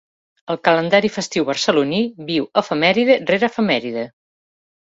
El calendari festiu barceloní viu efemèride rere efemèride.